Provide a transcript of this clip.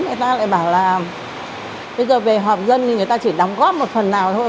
người ta lại bảo là bây giờ về họp dân thì người ta chỉ đóng góp một phần nào thôi